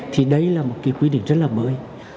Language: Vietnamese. thì đây là một cái quy định rất là mới